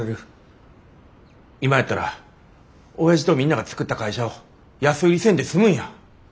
今やったら親父とみんなが作った会社を安売りせんで済むんや。